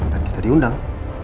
dan kita diundang